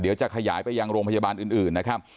เดี๋ยวจะขยายไปยังโรงพยาบาลอื่นนะครับ